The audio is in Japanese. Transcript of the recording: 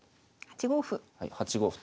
８五歩。